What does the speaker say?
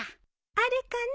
あれかね